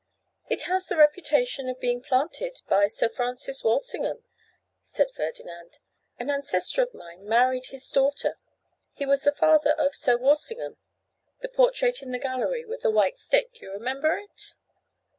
'It has the reputation of being planted by Sir Francis Walsingham,' said Ferdinand. 'An ancestor of mine married his daughter. He was the father of Sir Walsingham, the portrait in the gallery with the white stick. You remember it?